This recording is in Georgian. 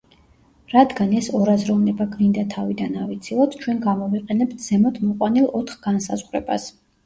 რადგან ეს ორაზროვნება გვინდა თავიდან ავიცილოთ, ჩვენ გამოვიყენებთ ზემოთ მოყვანილ ოთხ განსაზღვრებას.